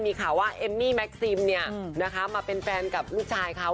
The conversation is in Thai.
มีข่าวว่าเอมมี่แม็กซิมมาเป็นแฟนกับลูกชายเขา